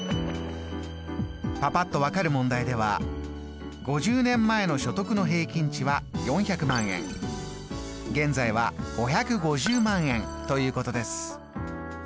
パパっと分かる問題では５０年前の所得の平均値は４００万円現在は５５０万円ということです。